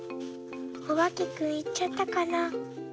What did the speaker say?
おばけくんいっちゃったかな？